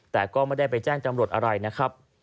แต่ก็ไม่ได้ไปแจ้งจำรวจอะไรนะครับ